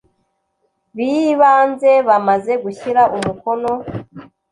b ibanze bamaze gushyira umukono